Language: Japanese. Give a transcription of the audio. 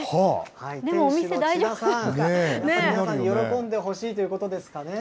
店主のちださん、皆さんに喜んでほしいということですかね。